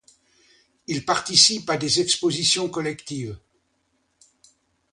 Il participe à des expositions collectives.